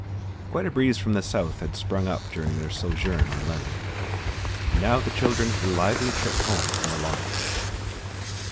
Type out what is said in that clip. Quite a breeze from the south had sprung up during their sojourn on the land, and now the children had a lively trip home in the launch.